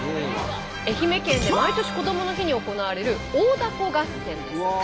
愛媛県で毎年こどもの日に行われる大凧合戦です。